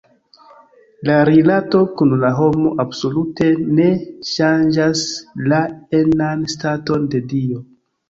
La rilato kun la homo absolute ne ŝanĝas la enan staton de Dio.